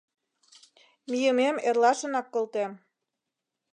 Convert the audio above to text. Мийымем эрлашынак колтем.